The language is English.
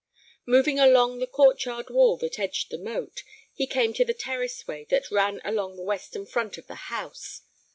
Moving along the court yard wall that edged the moat, he came to the terraceway that ran along the western front of the house.